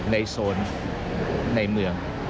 โซนในเมือง